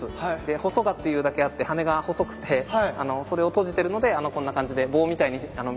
ホソガというだけあって羽が細くてそれを閉じてるのでこんな感じで棒みたいに見えますけれど。